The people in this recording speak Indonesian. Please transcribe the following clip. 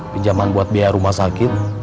pinjaman buat biaya rumah sakit